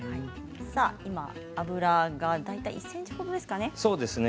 今、油が大体１ｃｍほどですかね。